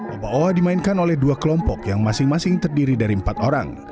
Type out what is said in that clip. oba oba dimainkan oleh dua kelompok yang masing masing terdiri dari empat orang